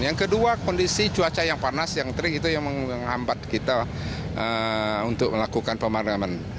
yang kedua kondisi cuaca yang panas yang terik itu yang menghambat kita untuk melakukan pemadaman